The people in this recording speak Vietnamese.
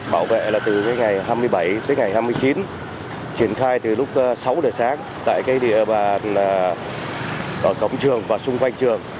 bảo vệ là từ ngày hai mươi bảy tới ngày hai mươi chín triển khai từ lúc sáu giờ sáng tại cái địa bàn cổng trường và xung quanh trường